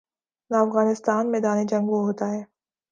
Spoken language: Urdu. نہ افغانستان میدان جنگ وہ ہوتا ہے۔